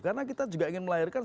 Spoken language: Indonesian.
karena kita juga ingin melahirkan